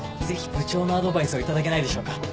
ぜひ部長のアドバイスを頂けないでしょうか。